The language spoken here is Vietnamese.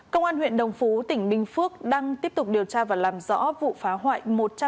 công an huyện đồng phú tỉnh bình phước đang tiếp tục điều tra và làm rõ vụ phá hoại